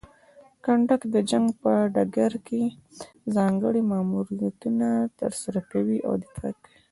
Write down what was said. کنډک د جنګ په ډګر کې ځانګړي ماموریتونه ترسره کوي او دفاع کوي.